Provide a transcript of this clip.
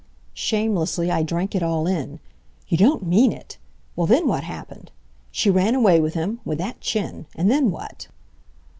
Shamelessly I drank it all in. "You don't mean it! Well, then what happened? She ran away with him with that chin! and then what?"